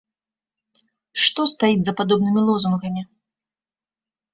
Што стаіць за падобнымі лозунгамі?